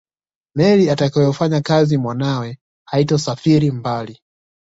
Meli atakayofanyakazi mwanawe haitosafiri mbali